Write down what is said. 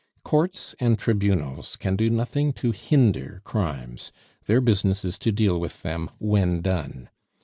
Courts and tribunals can do nothing to hinder crimes; their business is to deal with them when done.